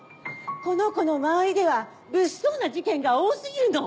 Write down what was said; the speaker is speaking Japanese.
この子の周りでは物騒な事件が多過ぎるの！